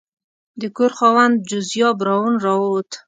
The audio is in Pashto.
د کور خاوند جوزیا براون راووت.